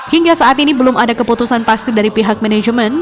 hingga saat ini belum ada keputusan pasti dari pihak manajemen